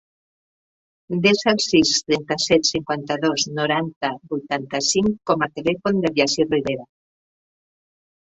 Desa el sis, trenta-set, cinquanta-dos, noranta, vuitanta-cinc com a telèfon del Yassir Ribera.